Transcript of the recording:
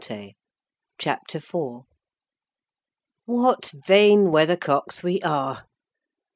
CHAPTER IV What vain weather cocks we are!